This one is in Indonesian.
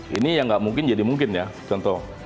ini yang nggak mungkin jadi mungkin ya contoh